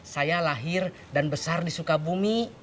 saya lahir dan besar di sukabumi